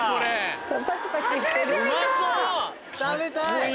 食べたい！